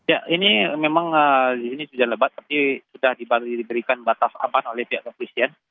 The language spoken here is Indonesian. ya ini memang ini sudah lebat tapi sudah diberikan batas aman oleh pihak kepolisian